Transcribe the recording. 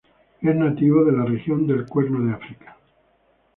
Es nativo de la región del Cuerno de África.